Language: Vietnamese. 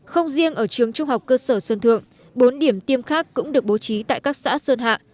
không riêng ở trường trung học cơ sở sơn thượng bốn điểm tiêm khác cũng được bố trí tại các xã sơn hạ